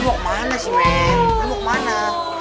lu mau kemana sih men lu mau kemana